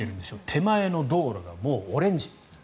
手前の道路がもうオレンジ。